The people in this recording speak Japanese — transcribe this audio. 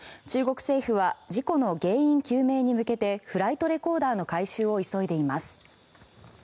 中国政府は事故の原因究明に向けてフライトレコーダーの回収を急いでいます。